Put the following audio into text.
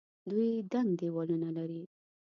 دوی دنګ دیوالونه لري.